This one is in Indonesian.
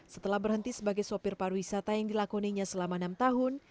setelah berhenti sebagai sopir pariwisata yang dilakoninya selama enam tahun